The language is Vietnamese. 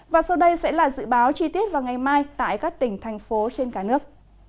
và sau đây sẽ là dự báo chi tiết vào ngày mai tại các tỉnh thành phố trên cả nước